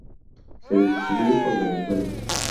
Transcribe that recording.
Se distribuye por Venezuela.